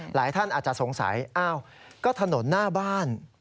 หลายท่านอาจจะสงสัยอ้าวก็ถนนหน้าบ้าน